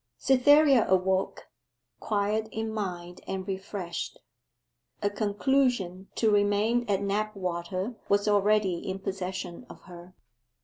Cytherea awoke, quiet in mind and refreshed. A conclusion to remain at Knapwater was already in possession of her.